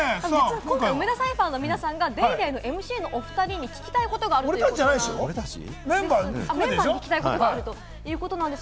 今回、梅田サイファーの皆さんが『ＤａｙＤａｙ．』のＭＣのお２人に聞きたいことがあるということです。